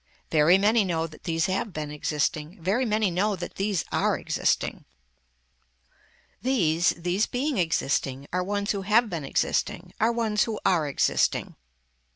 Very many know that these have been existing. Very many know that these are existing. These, these being existing are ones who have been existing are ones who are existing.